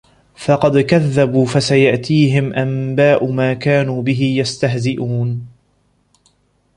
فَقَد كَذَّبوا فَسَيَأتيهِم أَنباءُ ما كانوا بِهِ يَستَهزِئونَ